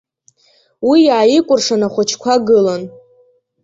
Уи иаакәыршан ахәыҷқәа гылан.